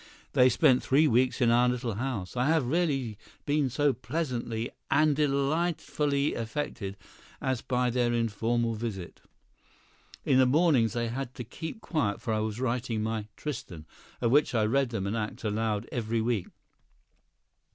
"They spent three weeks in our little house; I have rarely been so pleasantly and delightfully affected as by their informal visit. In the mornings they had to keep quiet, for I was writing my 'Tristan,' of which I read them an act aloud every week.